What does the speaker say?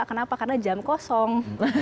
kenapa karena jam kosong